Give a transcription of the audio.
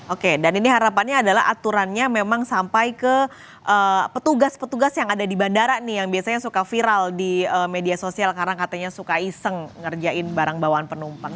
oke dan ini harapannya adalah aturannya memang sampai ke petugas petugas yang ada di bandara nih yang biasanya suka viral di media sosial karena katanya suka iseng ngerjain barang bawaan penumpang